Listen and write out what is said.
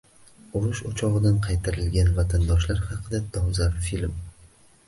Urush o‘chog‘idan qaytarilgan vatandoshlar haqida dolzarb film